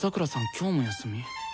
今日も休み？